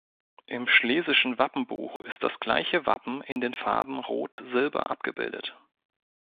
Im Schlesischen Wappenbuch ist das gleiche Wappen in den Farben Rot-Silber abgebildet.